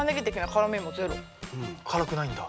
辛くないんだ。